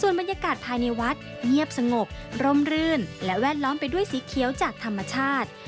และแวดล้อมไปด้วยสีเขียวจากธรรมชาติ